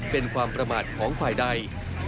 เป็นความประมาทของฝ่ายใด